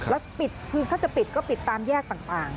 แล้วปิดคือถ้าจะปิดก็ปิดตามแยกต่าง